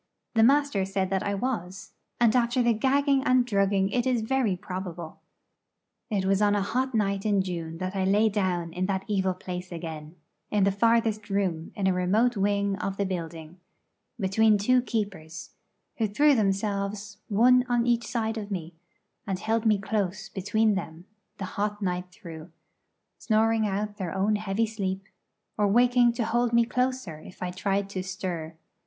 The master said that I was, and after the gagging and drugging it is very probable. It was on a hot night in June that I lay down in that evil place again, in the farthest room in a remote wing of the building, between two keepers, who threw themselves one on each side of me, and held me close between them the hot night through, snoring out their own heavy sleep, or waking to hold me closer if I tried to stir.